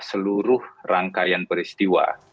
seluruh rangkaian peristiwa